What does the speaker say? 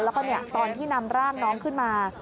แล้วก็ตอนที่นำร่างน้องขึ้นมา